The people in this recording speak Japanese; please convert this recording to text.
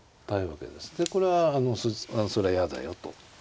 でこれはそれは嫌だよと。